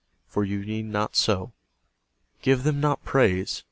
For you need not so. Give them not praise.